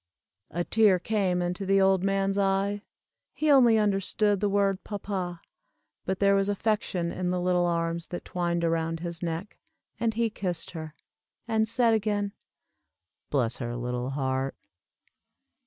A tear came into the old man's eye, he only understood the word papa, but there was affection in the little arms that twined around his neck, and he kissed her, and said again, "Bless her little heart."